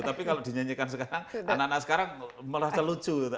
tapi kalau dinyanyikan sekarang anak anak sekarang merasa lucu